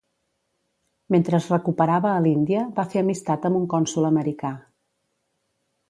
Mentre es recuperava a l'Índia, va fer amistat amb un cònsol americà.